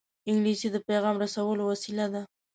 انګلیسي د پېغام رسولو وسیله ده